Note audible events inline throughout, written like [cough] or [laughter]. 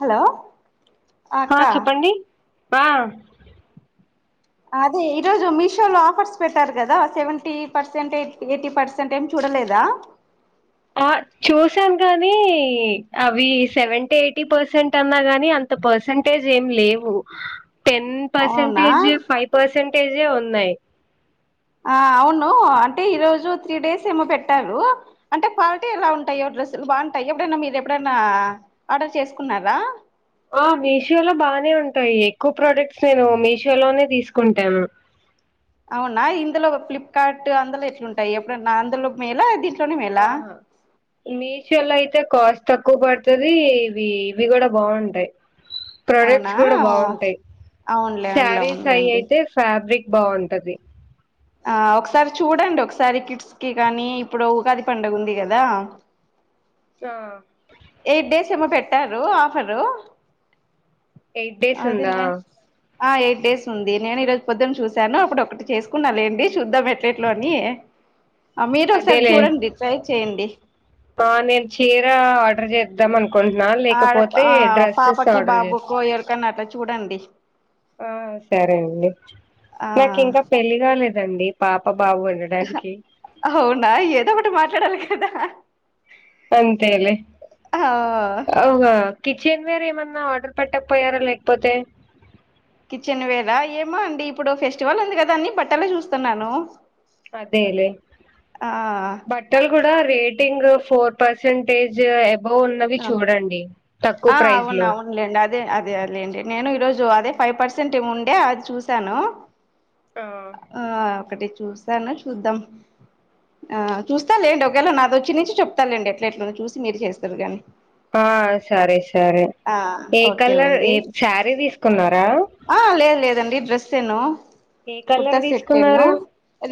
Hello ఆ అక్క చెప్పండి ఆ అదే ఈరోజు మీషో లో ఆఫర్స్ పెట్టారు కదా, seventy percent eight eighty percent ఏం చూ చూడ్ లేదా ఆ చూసాను గానీ అవి సెవెన్టీ ఎయిటీ పర్సెంట్ అన్నా కానీ అంత్ అంత పర్సంటేజ్ ఏం లేవు టెన్ అవునా పర్సంటేజ్ ఫైవ్ పర్సంటేజే ఉన్నాయ్ ఆ అవును అంటే ఈ రోజు త్రీ డేస్ ఏమో పెట్టారు, అంటే క్వాలిటీ ఎలా ఉంటాయో. డ్రెస్సులు బాగుంటాయి ఎప్పుడైనా మీరు ఎప్పుడైనా ఆర్డర్ చేసుకున్నారా. ఆ మీషోలో బానే ఉంటాయి ఎక్కువ ప్రోడక్ట్స్ నేను మీషోలోనే తీసుకుంటాం. అవునా ఇందులో ఫ్లిప్కార్ట్ అందులో ఎట్లుంటాయి ఎప్పుడన్నా అందులో మేలా దిస్ ఆహా మీషోలో అయితే కాస్ట్ తక్కువ పడతది ఇవి ఇవి కూడా బాగుంటాయ్ అవునా ప్రొడక్ట్స్ కూడా బాగుంటాయ్ అవునులే అవునులే శారీస్ అయి అవునులేండి అయితే ఫ్యాబ్రిక్ బాగుంటది ఆ ఒకసారి చూడండి ఒకసారి కిడ్స్ కి కానీ ఇప్పుడు ఉగాది పండుగ ఉంది కదా. [inaudible] ఆ ఎయిట్ డేస్ ఏమో పెట్టారు ఆఫరు ఎయిట్ డేస్ అది ఉందా నే ఆ ఎయిట్ డేస్ ఉంది నేను ఈరోజు పొద్దున్న చూసాను అప్పుడు ఒకటి చేసుకున్నాలేండి చూద్దాం ఎట్లెట్లో అని. మీరు ఒకసారి అదేలే చూడండి ట్రై చేయండి. ఆ నేను చీర ఆర్డర్ చేద్దాం అనుకున్ ఆడ ఆ పాపకి ఆర్డర్ చేస్తా బాబుకో ఎవరికన్నా అట్లా చూడండి. ఆ సరే అండి ఆ నాకు ఇంకా పెళ్లి కాలేదండి పాప బాబు అహ ఉండడానికి అవునా ఏదో ఒకటి మాట్లాడాలి కదా ఆ అంతేలే ఆ అవ్గా కిచెన్ వేర్ ఏమన్నా ఆర్డర్ పెట్టకపోయారా లేకపోతే. కిచెన్ వేరా ఏమో అండి ఇప్పుడు ఫెస్టివల్ ఉంది కదా అని బట్టలే చూస్తన్నాను. అదేలే బట్టలు కూడా రే టింగ్ ఫోర్ పర్సెంటేజ్ ఎప్ బావున్నవి ఆ చూడండి తక్కువ ఆ ప్రైస్ అవును లో అవునులేండి అదే అదే లేండి నేను ఈరోజు అదే ఫైవ్ పర్సెంట్ ఏమో ఉండే అది చూశాను ఆ ఆ ఒకటి చూసాను చూద్దాం ఆ చూస్తాలేండి ఒకవేళ నాది వచ్చి నుంచి చెప్తాలేండి ఎట్లా ఎట్లనో చూసి మీరు చేస్తురు గానీ ఆ సరే సరే ఆ ఏ కలర్ ఓకేలేండి ఏ శారీ తీసుకున్నారా ఆ లేదు లేదండీ డ్రెస్సేను ఏ కుర్తా కలర్ సెట్టేనో తీసుకున్నారు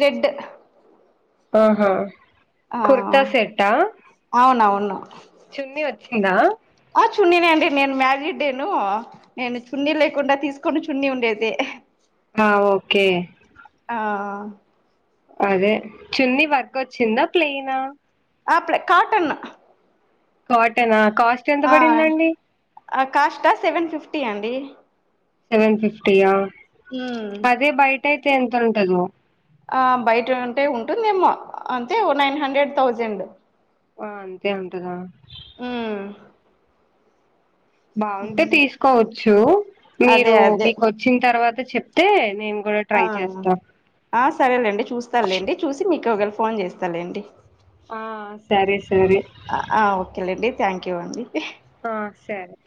రెడ్ ఆహా ఆ కుర్తా సెట్టా అవునవును చున్నీ వచ్చిందా ఆ చున్నీనేండి నేను మ్యారీడ్డేను నేను చున్నీ లేకుండా తీసుకొను చున్నీ ఉండేదే. ఆ ఓకే ఆ అదే చున్నీ వర్క్ అచ్చిందా ప్లెనా ఆ ప్లే కాటన్ కాటనా కాస్ట్ ఎంత పడిందండి కాస్టా అ సెవెన్ ఫిఫ్టీ అండి సెవెన్ ఫిఫ్టీయా ఉమ్ అదే బయట అయితే ఎంత ఉంటదో ఆ బయట ఉంటే ఉంటుందేమో అంతే ఓ నైన్ హండ్రెడ్ థౌజండ్ ఆ అంతే ఉంటదా ఆ బాగుంటే తీసుకోవచ్చు అదే మీరు అదే మీకు ఓచ్చిన తర్వాత చెప్తే నేన్ ఆ సరేలేండి చూస్త లేండి చూసి మీకు ఒకళ ఫోన్ చేస్తలేండి ఆ సరే సరే ఆ ఓకేలేండి థ్యాంక్ యూ అండి ఆ సరే